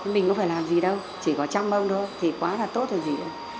mình có phải làm gì đâu chỉ có chăm mông thôi thì quá là tốt rồi gì